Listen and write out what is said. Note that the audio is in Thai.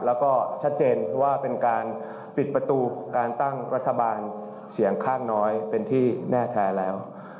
แล้วก็ชัดเจนว่าเป็นการปิดประตูการตั้งรัฐบาลเสียงข้างน้อยเป็นที่แน่แท้แล้ว